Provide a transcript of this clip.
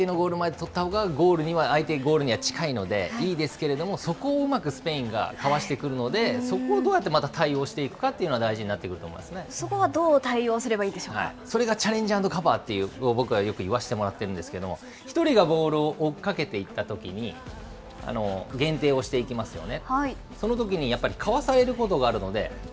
できれば相手のゴール前で取ったほうが、ゴールには、相手のゴールには近いので、いいですけれども、そこをうまくスペインがかわしてくるので、そこをどうやってまた対応していくかというのが大そこはどう対応すればいいでそれがチャレンジ＆カバーと、僕はよく言わせてもらってるんですけど、１人がボールを追っかけていったときに、限定をしていきますよね。